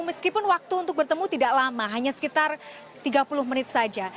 meskipun waktu untuk bertemu tidak lama hanya sekitar tiga puluh menit saja